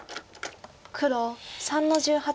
黒３の十八。